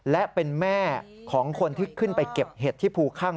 และเป็นแม่ของคนที่ขึ้นไปเก็บเห็ดที่ภูข้าง